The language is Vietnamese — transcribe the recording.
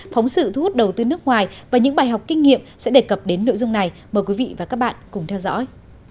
phóng sự thu hút đầu tư nước ngoài và những bài học kinh nghiệm sẽ đề cập đến nội dung này mời quý vị và các bạn cùng theo dõi